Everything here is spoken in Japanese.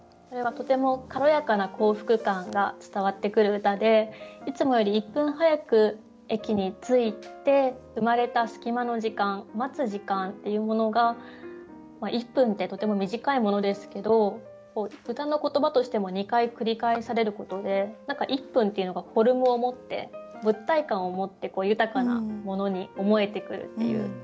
これはとても軽やかな幸福感が伝わってくる歌でいつもより一分早く駅に着いて生まれた隙間の時間待つ時間っていうものが一分ってとても短いものですけど歌の言葉としても２回繰り返されることで何か「一分」っていうのがフォルムを持って物体感を持って豊かなものに思えてくるっていう。